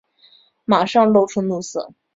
马上露出怒色